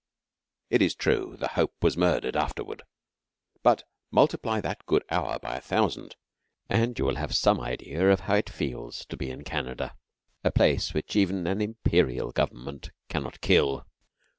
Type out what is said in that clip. It is true the hope was murdered afterward, but multiply that good hour by a thousand, and you will have some idea of how it feels to be in Canada a place which even an 'Imperial' Government cannot kill.